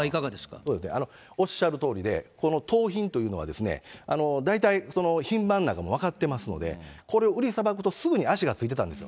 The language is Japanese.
おっしゃるとおりで、この盗品というのはですね、大体品番なんかも分かっていますので、これを売りさばくと、すぐに足がついてたんですよ。